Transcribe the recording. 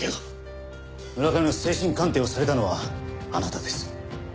村上の精神鑑定をされたのはあなたです。